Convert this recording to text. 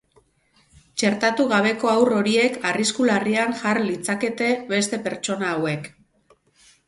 Txertatu gabeko haur horiek arrisku larrian jar litzakete beste pertsona hauek.